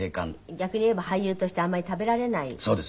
逆に言えば俳優としてあんまり食べられないという時代。